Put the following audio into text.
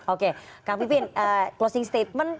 oke kang pipin closing statement